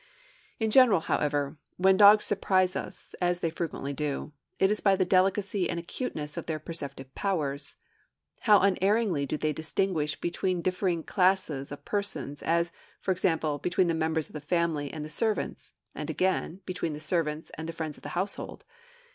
In general, however, when dogs surprise us, as they frequently do, it is by the delicacy and acuteness of their perceptive powers. How unerringly do they distinguish between different classes of persons, as, for example, between the members of the family and the servants; and again, between the servants and the friends of the household!